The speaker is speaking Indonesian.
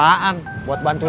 bang kopinya nanti aja ya